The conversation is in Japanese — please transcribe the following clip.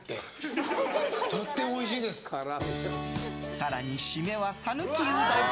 更に、締めは讃岐うどん。